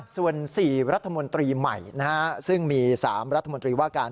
ส่วน๔รัฐมนตรีใหม่ซึ่งมี๓รัฐมนตรีว่าการ